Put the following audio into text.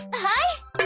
はい！